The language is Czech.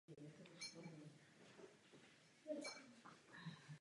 Má červenou až cihlovou barvu a na dotek je velmi jemná.